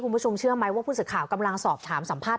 คุณผู้ชมเชื่อไหมว่าผู้สื่อข่าวกำลังสอบถามสัมภาษณ